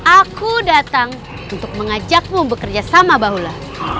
aku datang untuk mengajakmu bekerja sama bahula